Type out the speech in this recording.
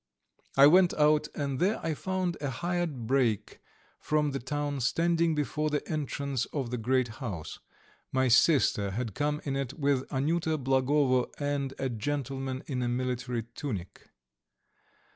I went out, and there I found a hired brake from the town standing before the entrance of the great house. My sister had come in it with Anyuta Blagovo and a gentleman in a military tunic.